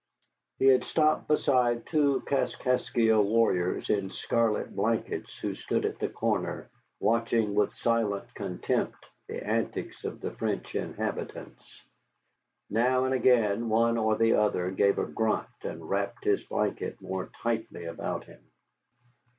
He had stopped beside two Kaskaskia warriors in scarlet blankets who stood at the corner, watching with silent contempt the antics of the French inhabitants. Now and again one or the other gave a grunt and wrapped his blanket more tightly about him.